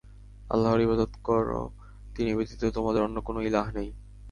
আল্লাহর ইবাদত কর, তিনি ব্যতীত তোমাদের অন্য কোন ইলাহ নেই।